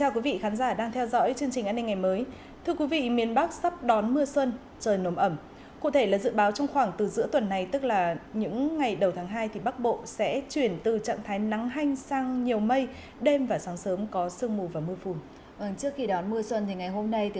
chào mừng quý vị đến với bộ phim hãy nhớ like share và đăng ký kênh của chúng mình nhé